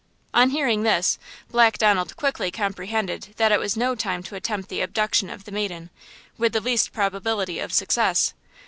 On hearing this, Black Donald quickly comprehended that it was no time to attempt the abduction of the maiden, with the least probability of success.